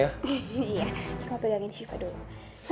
iya aku mau pegangin siva dulu